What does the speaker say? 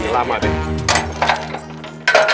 lama pak d